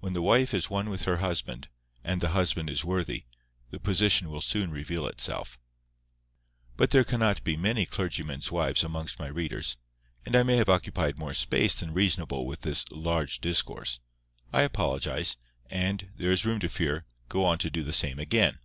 When the wife is one with her husband, and the husband is worthy, the position will soon reveal itself. But there cannot be many clergymen's wives amongst my readers; and I may have occupied more space than reasonable with this "large discourse." I apologize, and, there is room to fear, go on to do the same again.